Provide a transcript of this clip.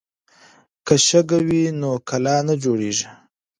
که شګه وي نو کلا نه جوړیږي.